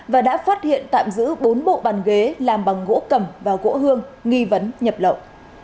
và đã phát hiện tạm giữ bốn bộ bàn ghế làm bằng gỗ cầm và gỗ hương nghi vấn nhập lậu